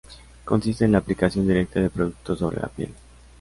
Consiste en la aplicación directa de productos sobre la piel.